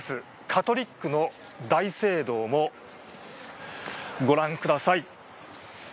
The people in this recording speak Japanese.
カトリックの大聖堂もご覧ください。